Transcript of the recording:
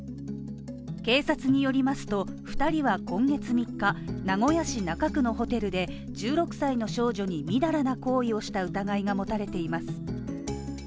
警察によりますと、２人は今月３日、名古屋市中区のホテルで１６歳の少女にみだらな行為をした疑いが持たれています。